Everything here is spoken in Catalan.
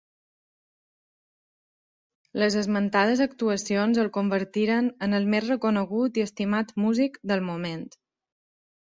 Les esmentades actuacions el convertiren en el més reconegut i estimat músic del moment.